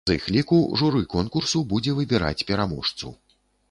З іх ліку журы конкурсу будзе выбіраць пераможцу.